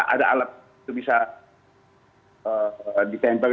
ada alat itu bisa di send bagi